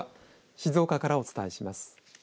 静岡からお伝えします。